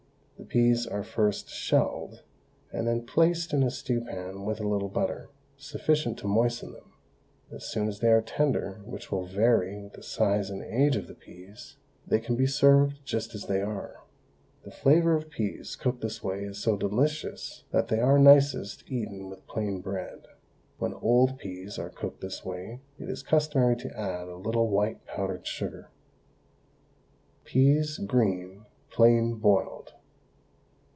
The peas are first shelled, and then placed in a stew pan with a little butter, sufficient to moisten them. As soon as they are tender, which will vary with the size and age of the peas, they can be served just as they are. The flavour of peas cooked this way is so delicious that they are nicest eaten with plain bread. When old peas are cooked this way it is customary to add a little white powdered sugar. PEAS, GREEN, PLAIN BOILED.